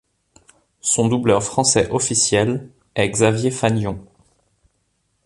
Son doubleur français officiel est Xavier Fagnon.